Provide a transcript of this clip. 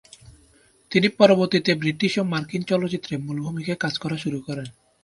তিনি পরবর্তীতে ব্রিটিশ ও মার্কিন চলচ্চিত্রে মূল ভূমিকায় কাজ শুরু করেন।